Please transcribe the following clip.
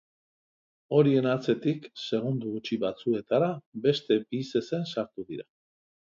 Horien atzetik, segundo gutxi batzuetara, beste bi zezen sartu dira.